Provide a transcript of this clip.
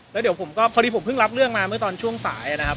แล้วเดี๋ยวผมก็พอดีผมเพิ่งรับเรื่องมาเมื่อตอนช่วงสายนะครับ